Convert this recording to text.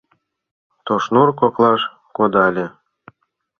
Тошнур коклаш кодале.